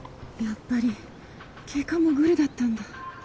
やっぱり警官もぐるだったんだ。